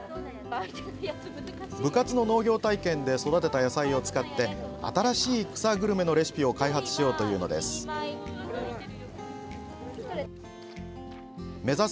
部活の農業体験で育てた野菜を使って新しい草グルメのレシピを開発しようというのです。